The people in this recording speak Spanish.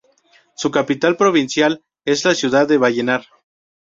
Su capital provincial es la ciudad de Vallenar.